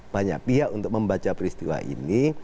banyak pihak untuk membaca peristiwa ini